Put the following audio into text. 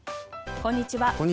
こんにちは。